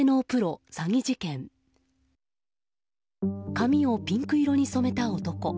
髪をピンク色に染めた男。